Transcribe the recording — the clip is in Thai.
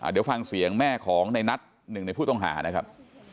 เดี๋ยวฟังเสียงแม่ของในนัทหนึ่งในผู้ต้องหานะครับ